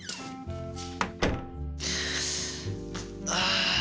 ああ。